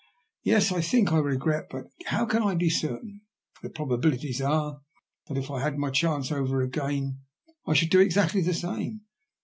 Yes, I think I regret. But how can I be certain ? The probabilities are that if I had my chance over again I should do exactly the same.